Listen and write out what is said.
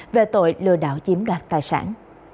về tội lừa đảo chiếm đoạt tài sản